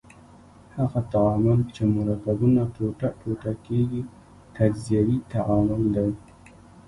هغه تعامل چې مرکبونه ټوټه کیږي تجزیوي تعامل دی.